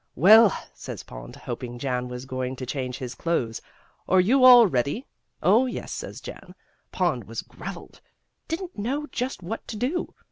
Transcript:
'Well,' says Pond, hoping Jan was going to change his clothes, 'are you all ready?' 'Oh, yes,' says Jan. Pond was graveled; didn't know just what to do.